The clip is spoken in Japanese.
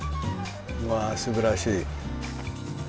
うわすばらしい。